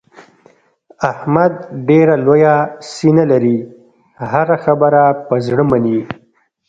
احمد ډېره لویه سینه لري. هره خبره په زړه مني.